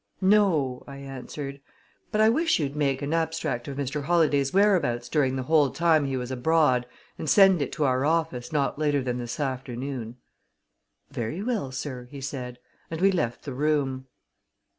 "No," I answered; "but I wish you'd make an abstract of Mr. Holladay's whereabouts during the whole time he was abroad, and send it to our office not later than this afternoon." "Very well, sir," he said, and we left the room.